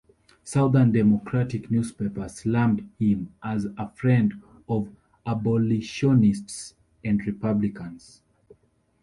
Southern Democratic newspapers slammed him as a friend of abolitionists and Republicans.